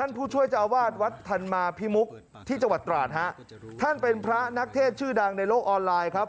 ท่านผู้ช่วยเจ้าอาวาสวัดธรรมาพิมุกที่จังหวัดตราดฮะท่านเป็นพระนักเทศชื่อดังในโลกออนไลน์ครับ